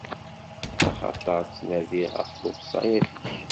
Axaṭer ttnadiɣ ɣef lewṣayat-ik.